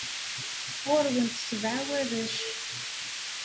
Ɣur-went sebɛa warrac.